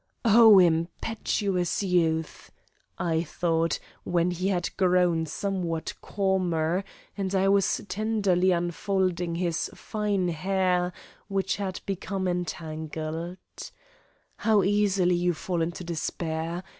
"O, impetuous youth," I thought when he had grown somewhat calmer, and I was tenderly unfolding his fine hair which had become entangled, "how easily you fall into despair!